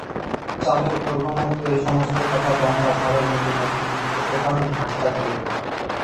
চাদর খোলবামাত্র এই-সমস্ত কথা দমকা ঝড়ের মতো মধুসূদনকে প্রকাণ্ড ধাক্কা দিলে।